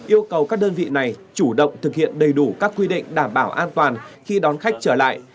yêu cầu các đơn vị này chủ động thực hiện đầy đủ các quy định đảm bảo an toàn khi đón khách trở lại